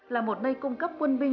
là một nơi cung cấp quân binh